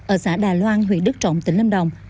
ở xã đà loan huyện đức trọng tỉnh lâm đồng